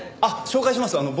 あっ紹介します。